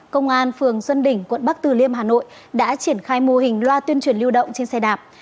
công an phường xuân đỉnh quận bắc từ liêm hà nội đã triển khai mô hình loa tuyên truyền lưu động trên xe đạp